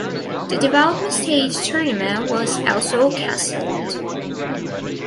The development stage tournament was also cancelled.